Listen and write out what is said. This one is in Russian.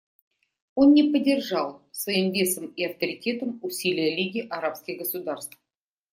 Он не поддержал своим весом и авторитетом усилия Лиги арабских государств.